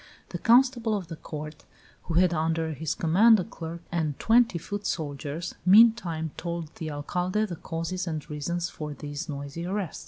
The constable of the court, who had under his command a clerk and twenty foot soldiers, meantime told the Alcalde the causes of and reasons for this noisy arrest.